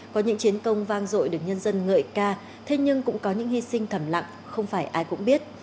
có những chiến công vang dội được nhân dân ngợi ca thế nhưng cũng có những hy sinh thầm lặng không phải ai cũng biết